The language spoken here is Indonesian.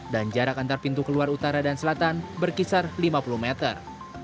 dan jarak antar pintu keluar utara dan selatan berkisar lima puluh meter